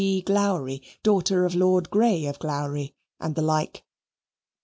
Glowry, daughter of Lord Grey of Glowry), and the like.